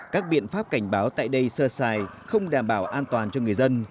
các biện pháp cảnh báo tại đây sơ xài không đảm bảo an toàn cho người dân